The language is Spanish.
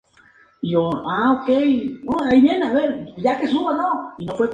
La historia luego continúa.